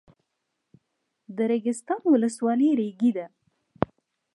د ریګستان ولسوالۍ ریګي ده